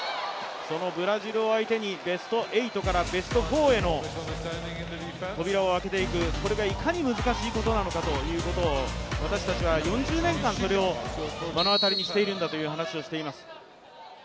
そのブラジルを相手にベスト８からベスト４への扉を開けていくこれがいかに難しいことなのかということを私たちは４０年間それを目の当たりにしているんだという話をしています。